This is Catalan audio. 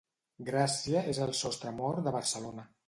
Gràcia és el sostremort de Barcelona.